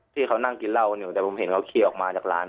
ที่เขานั่งกินเหล้ากันอยู่แต่ผมเห็นเขาขี่ออกมาจากร้าน